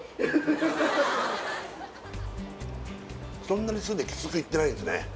そんなに酢きつくいってないですね